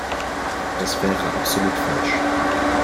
Das wäre absolut falsch.